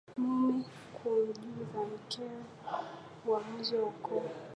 Mume kumjumza mkewe uamuzi wa ukoo